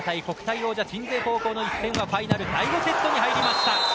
王者鎮西高校の一戦はファイナル第５セットに入りました。